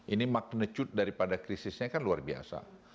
ini magnitude daripada krisisnya kan luar biasa